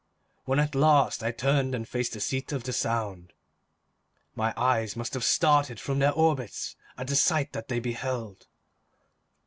When at last I turned and faced the seat of the sound, my eyes must have started from their orbits at the sight that they beheld.